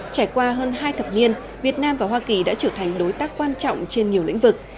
trải qua hơn hai thập niên việt nam và hoa kỳ đã trở thành đối tác quan trọng trên nhiều lĩnh vực